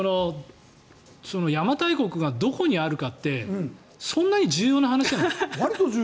邪馬台国がどこにあるかってそんなに重要な話なの？